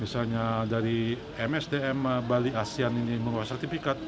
misalnya dari msdm bali asean ini menguasai sertifikat